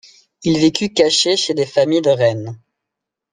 Il vécut caché chez des familles de Rennes.